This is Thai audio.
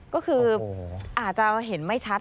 ก็คืออาจจะเห็นไม่ชัด